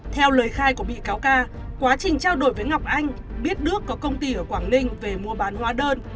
theo lời khai của bị cáo ca quá trình trao đổi với ngọc anh biết đức có công ty ở quảng ninh về mua bán hóa đơn